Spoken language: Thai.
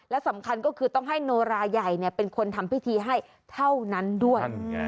และสำคัญก็คือต้องให้โนราใหญ่เป็นคนทำพิธีให้เท่านั้นด้วย